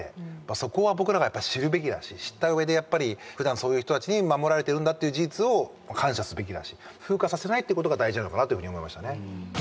そこは僕らが知るべきだし、知ったうえで、やっぱりふだんそういう人たちに守られているという事実を感謝すべきだし風化させないことが大事なのかなと思いましたね。